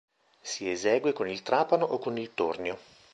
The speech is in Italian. Si esegue con il trapano o con il tornio.